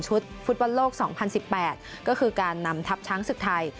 ฟุตบอลโลก๒๐๑๘ก็คือการนำทัพช้างศึกไทย